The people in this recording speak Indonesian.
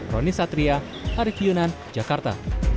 roni satria arief yunan jakarta